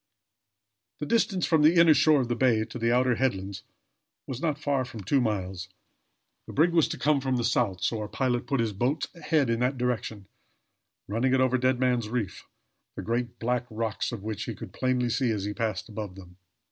The distance from the inner shore of the bay to the outer headlands was not far from two miles. The brig was to come from the south, so our pilot put his boat's head in that direction, running it over Dead Man's Reef, the great black rocks of which he could plainly see as he passed above them.